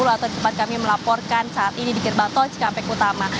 atau tempat kami melaporkan saat ini di gerbang tol cikampek utama